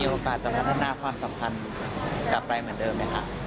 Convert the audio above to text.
มีโอกาสจะมาแนะนำความสำคัญกลับไปเหมือนเดิมไหมคะ